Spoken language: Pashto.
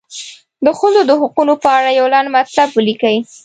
د ښځو د حقونو په اړه یو لنډ مطلب ولیکئ.